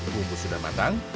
bumbu sudah matang